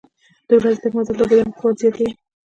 د ورځې لږ مزل د بدن قوت زیاتوي.